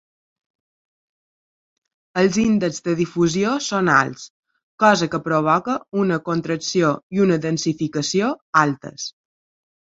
Els índexs de difusió són alts, cosa que provoca una contracció i una densificació altes.